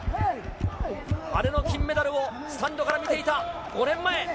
姉の金メダルをスタンドから見ていた５年前。